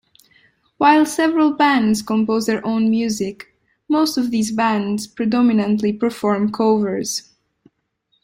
While several bands compose their own music, most of these bands predominantly perform covers.